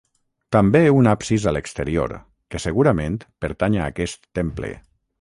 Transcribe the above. També un absis a l'exterior, que segurament pertany a aquest temple.